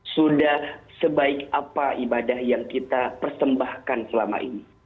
sudah sebaik apa ibadah yang kita persembahkan selama ini